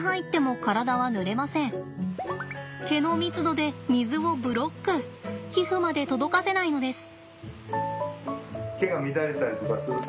毛の密度で水をブロック皮膚まで届かせないのです。